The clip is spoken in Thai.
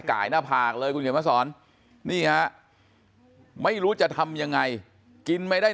ไก่หน้าผากเลยคุณเขียนมาสอนนี่ฮะไม่รู้จะทำยังไงกินไม่ได้